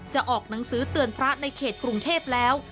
ออกหนังสือเตือนพระในเขตกรุงเทพแล้ว